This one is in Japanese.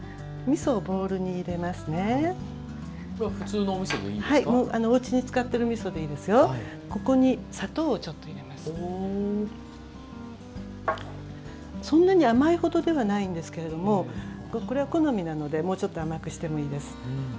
そんなに甘いほどではないんですけれどもこれは好みなのでもうちょっと甘くしてもいいです。